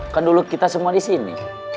kan dulu kita semua di sini